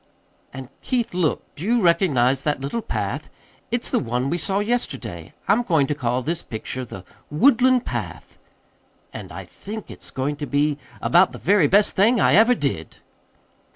"And, Keith, look do you recognize that little path? It's the one we saw yesterday. I'm going to call this picture 'The Woodland Path' and I think it's going to be about the very best thing I ever did."